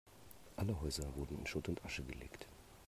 Alle Häuser wurden in Schutt und Asche gelegt.